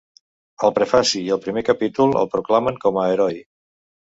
El prefaci i el primer capítol el proclamen com a heroi.